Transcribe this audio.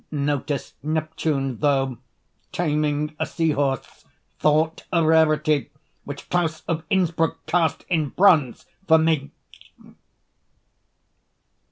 Notice Neptune, though, Taming a sea horse, thought a rarity, Which Claus of Innsbruck cast in bronze for me!